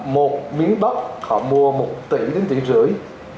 một miếng bắp họ mua một tỷ đến tỷ rưỡi